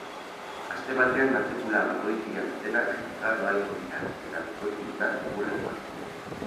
Aste batean matrikula bakoitia dutenak igaro ahalko dira, eta bikoitidunak hurrengoan.